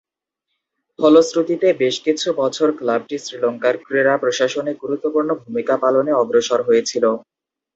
ফলশ্রুতিতে, বেশকিছু বছর ক্লাবটি শ্রীলঙ্কার ক্রীড়া প্রশাসনে গুরুত্বপূর্ণ ভূমিকা পালনে অগ্রসর হয়েছিল।